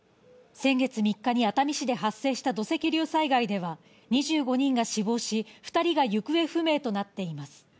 先月３日に熱海市で発生した土石流災害では、２５人が死亡し、２人が行方不明となっています。